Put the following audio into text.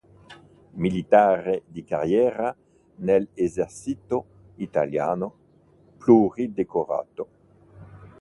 Militare di carriera nell'esercito italiano, pluridecorato.